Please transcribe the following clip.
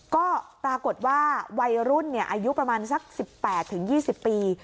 ก็ปรากฏว่าวัยรุ่นอายุประมาณสัก๑๘๒๐ปี